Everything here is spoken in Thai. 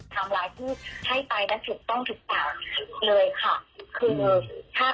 แต่ว่ามันวงแบบเกิดเป็นวัวเขา